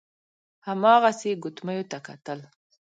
هماغسې يې ګوتميو ته کتل.